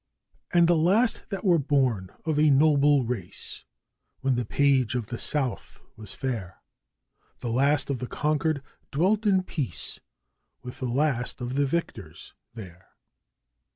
And the last that were born of a noble race when the page of the South was fair The last of the conquered dwelt in peace with the last of the victors there.